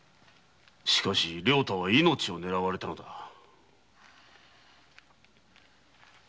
しかし良太は命を狙われたのだ。